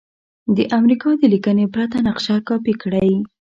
د امریکا د لیکنې پرته نقشه کاپې کړئ.